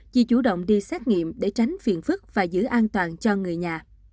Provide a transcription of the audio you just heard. vì chủ động đi xét nghiệm để tránh phiền phức và giữ an toàn cho người nhà